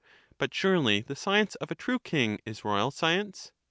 But surely the science of a true kmg is royal science